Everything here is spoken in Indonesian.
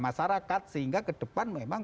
masyarakat sehingga ke depan memang